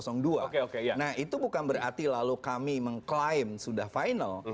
nah itu bukan berarti lalu kami mengklaim sudah final